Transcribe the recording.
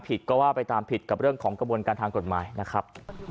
ก็ว่าไปตามผิดกับเรื่องของกระบวนการทางกฎหมายนะครับ